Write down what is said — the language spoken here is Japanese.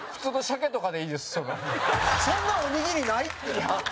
蛍原：そんなおにぎりないって。